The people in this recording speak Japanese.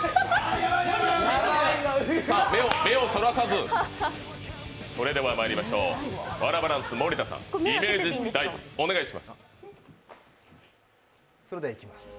目をそらさず、それではまいりましょう、ワラバンス盛田さん、イメージダイブお願いします。